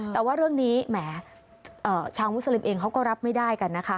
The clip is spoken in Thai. แต่ว่าเรื่องนี้แหมชาวมุสลิมเองเขาก็รับไม่ได้กันนะคะ